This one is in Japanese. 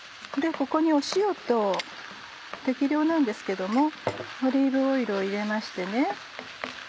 ここに塩と適量なんですけどもオリーブオイルを入れましてね。